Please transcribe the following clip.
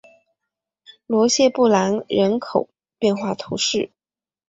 罗谢布兰人口变化图示